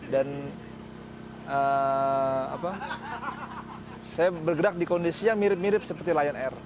dan saya bergerak di kondisi yang mirip mirip seperti lion air